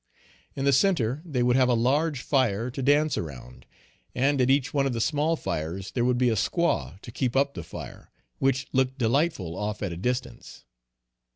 In the centre they would have a large fire to dance around, and at each one of the small fires there would be a squaw to keep up the fire, which looked delightful off at a distance.